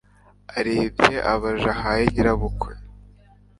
arebye abaja ahaye nyirabukwe